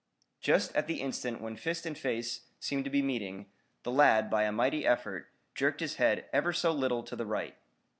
Just at the instant when fist and face seemed to be meeting, the lad by a mighty effort, jerked his head ever so little to the right.